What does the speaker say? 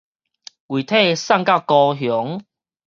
遺體送到高雄